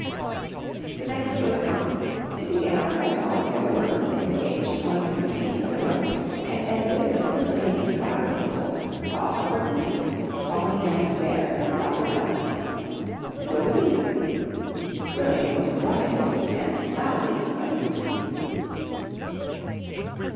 The next was a comedy. It began by a solitary workman engaged upon the re painting of a door and ended with a miscellaneous crowd of people, all covered with paint, falling downstairs on top of one another. It was amusing. William was riotously and loudly amused.